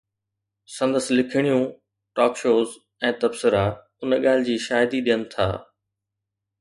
سندس لکڻيون، talk shows ۽ تبصرا ان ڳالهه جي شاهدي ڏين ٿا.